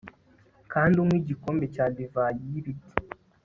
Kandi unywe igikombe cya divayi yibiti